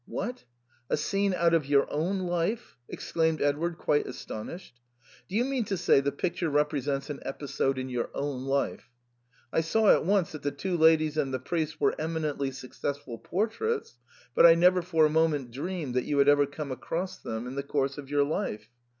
" What ! a scene, out of your own life !" exclaimed Ed ward, quite astonished. " Do you mean to say the pic ture represents an episode in your own life ? I saw at once that the two ladies and the priest were emi nently successful portraits, but I never for a moment dreamed that you had ever come across them in the course of your life.